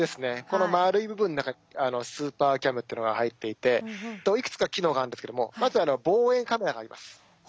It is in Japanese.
この丸い部分の中にスーパーカムっていうのが入っていていくつか機能があるんですけどもまず望遠カメラがあります。